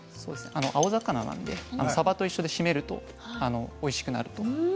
青魚なんでサバと一緒でしめるとおいしくなると。